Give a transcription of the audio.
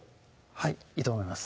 はいいいと思います